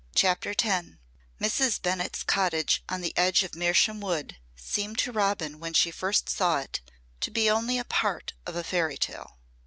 CHAPTER X Mrs. Bennett's cottage on the edge of Mersham Wood seemed to Robin when she first saw it to be only a part of a fairy tale.